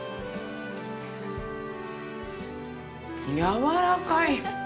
やわらかい！